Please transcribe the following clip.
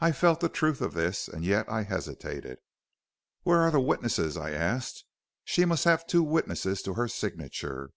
"I felt the truth of this, and yet I hesitated. "'Where are the witnesses?' I asked. 'She must have two witnesses to her signature.'